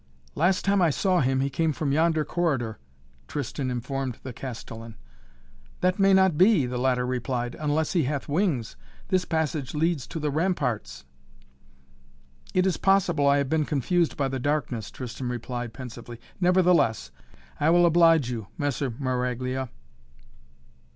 "Last time I saw him he came from yonder corridor," Tristan informed the Castellan. "That may not be!" the latter replied. "Unless he hath wings. This passage leads to the ramparts." "It is possible I have been confused by the darkness," Tristan replied pensively. "Nevertheless, I will oblige you, Messer Maraglia."